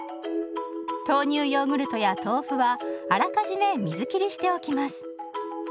豆乳ヨーグルトや豆腐はあらかじめ水切りしておきます。